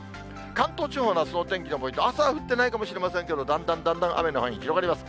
関東地方のあすのお天気のポイント、朝は降ってないかもしれませんけど、だんだんだんだん雨の範囲広がります。